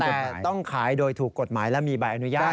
แต่ต้องขายโดยถูกกฎหมายและมีใบอนุญาต